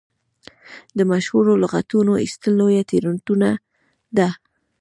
د مشهورو لغتونو ایستل لویه تېروتنه ده.